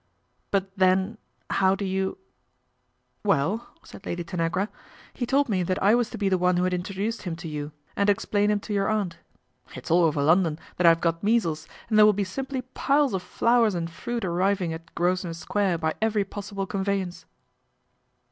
e " But then, how do you ?" o " Well," said Lady Tanagra, " he told me that I was to be the one who had introduced him to 120 PATRICIA BRENT, SPINSTER you and explain him to your aunt. It's all over London that I've got measles, and there will be simply piles of flowers and fruit arriving at Grosvenor Square by every possible conveyance."